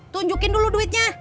tunjukin dulu duitnya